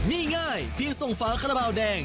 นี่ง่ายเพียงทรงฟ้าขนาบราวแดง